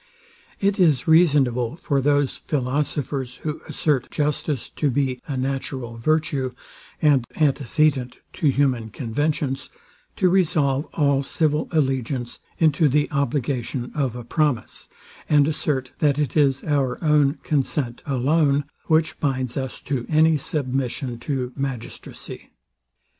It is reasonable for those philosophers, who assert justice to be a natural virtue, and antecedent to human conventions, to resolve all civil allegiance into the obligation of a promise, and assert that it is our own consent alone, which binds us to any submission to magistracy.